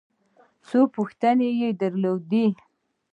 څه پوښتنې یې درلودې.